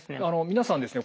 皆さんですね